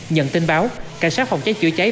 nhận tin báo cảnh sát phòng cháy chữa cháy